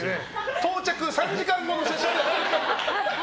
到着３時間後の写真くらい。